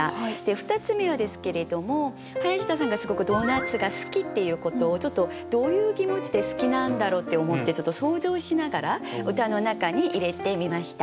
２つ目はですけれども林田さんがすごくドーナツが好きっていうことをどういう気持ちで好きなんだろうって思って想像しながら歌の中に入れてみました。